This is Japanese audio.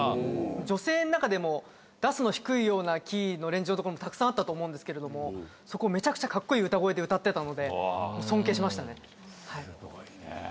女性の中でも出すの低いようなキーの連声とかもたくさんあったと思うんですけれどもそこをめちゃくちゃカッコイイ歌声で歌ってたので尊敬しましたね。